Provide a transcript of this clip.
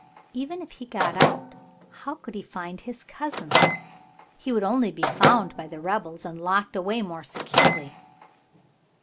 Even if he got out, how could he find his cousins? He would only be found by the rebels and be locked away more securely.